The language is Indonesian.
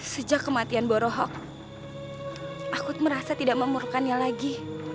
sejak kematian borohok aku merasa tidak memerlukannya lagi